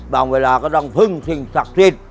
เวลาก็ต้องพึ่งสิ่งศักดิ์สิทธิ์